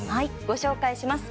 ご紹介します。